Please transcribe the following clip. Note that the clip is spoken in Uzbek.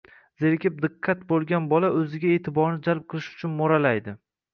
zerikib diqqat bo‘lgan bola o‘ziga e’tiborni jalb qilish uchun mo‘ralaydi.